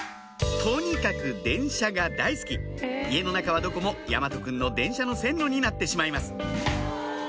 とにかく電車が大好き家の中はどこも大和くんの電車の線路になってしまいます